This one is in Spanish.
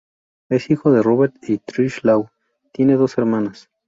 Es hijo de Robert y Trish Law, tiene dos hermanas.